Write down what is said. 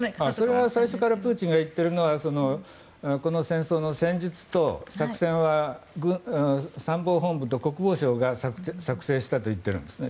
それは最初からプーチンが言っているのはこの戦争の戦術と作戦は参謀本部と国防省が作成したと言ってるんですね。